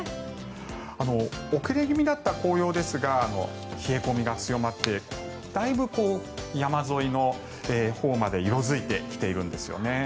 遅れ気味だった紅葉ですが冷え込みが強まってだいぶ山沿いのほうまで色付いてきているんですよね。